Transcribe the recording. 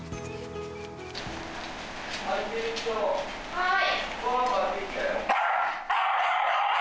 はい。